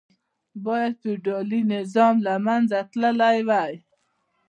باید فیوډالي نظام له منځه تللی وای.